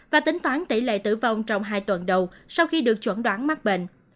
và tính toán tỷ lệ tử vong trong hai tuần đầu sau khi được chuẩn đoán mắc bệnh